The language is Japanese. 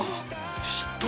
嫉妬？